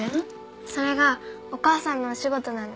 それがお母さんのお仕事なの。